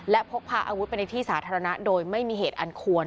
และพกพาอาวุธไปในที่สาธารณะโดยไม่มีเหตุอันควร